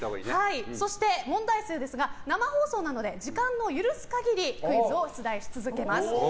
そして、問題数ですが生放送なので時間の許す限りクイズを出題し続けます。